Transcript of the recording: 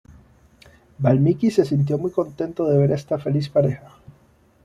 Valmiki se sintió muy contento de ver a esta feliz pareja.